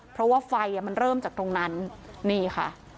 เพราะว่าไฟมันเริ่มจากตรงนั้นนี่ค่ะ